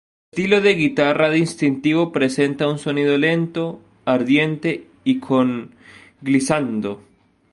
Su estilo de guitarra distintivo presenta un sonido lento, ardiente y con "glissando".